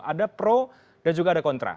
ada pro dan juga ada kontra